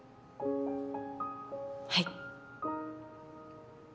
はい。